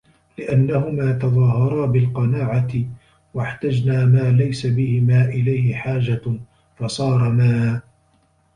لِأَنَّهُمَا تَظَاهَرَا بِالْقَنَاعَةِ وَاحْتَجْنَا مَا لَيْسَ بِهِمَا إلَيْهِ حَاجَةٌ فَصَارَ مَا